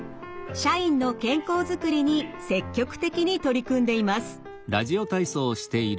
社員の健康づくりに積極的に取り組んでいます。